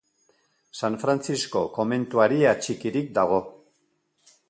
San Frantzisko komentuari atxikirik dago.